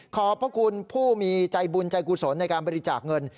ขอบพระคุณผู้มีใจบุญใจกุศลในการบริจาคเงิน